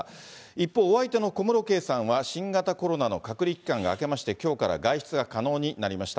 一方、お相手の小室圭さんは新型コロナの隔離期間が明けまして、きょうから外出が可能になりました。